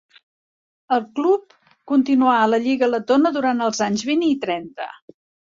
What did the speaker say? El club continuà a la lliga letona durant els anys vint i trenta.